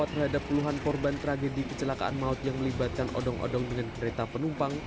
terhadap puluhan korban tragedi kecelakaan maut yang melibatkan odong odong dengan kereta penumpang